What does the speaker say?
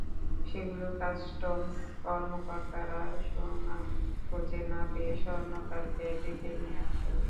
সেগুলোয় customs কর্মকর্তারা সোনা খুঁজে না পেয়ে স্বর্ণকারকে ডেকে নিয়ে আসেন।